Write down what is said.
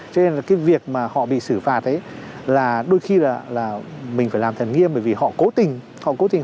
cho nên việc họ bị xử phạt đôi khi là mình phải làm thần nghiêm bởi vì họ cố tình